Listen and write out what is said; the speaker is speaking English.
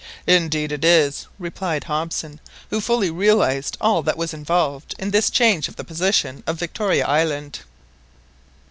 "Indeed it is," replied Hobson, who fully realised all that was involved in this change of the position of Victoria Island.